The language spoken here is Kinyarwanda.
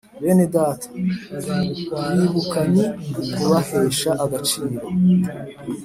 benedata! kubibuka ni ukubahesha agaciro